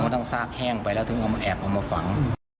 ต้องซากแห้งไปแล้วถึงเอามาแอบเอามาฝัง